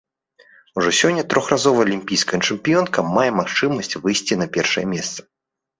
Ужо сёння трохразовая алімпійская чэмпіёнка мае магчымасць выйсці на першае месца.